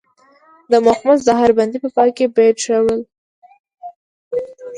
د مخمس د هر بند په پای کې بیت راوړل.